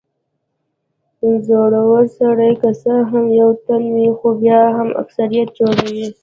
زړور سړی که څه هم یو تن وي خو بیا هم اکثريت جوړوي.